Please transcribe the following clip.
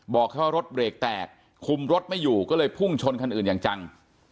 บอกแค่ว่ารถเบรกแตกคุมรถไม่อยู่ก็เลยพุ่งชนคันอื่นอย่างจัง